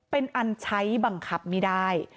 เป็นอันใช้บังคับไม่ได้